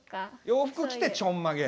洋服着てちょんまげ？